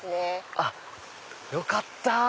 あっよかった！